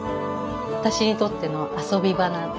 私にとっての遊び場なんです。